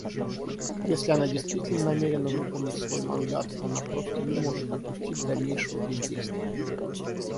Если она действительно намерена выполнить свой мандат, она просто не может допустить дальнейшего бездействия.